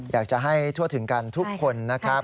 อยากจะให้ทั่วถึงกันทุกคน